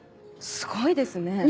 すごいですね。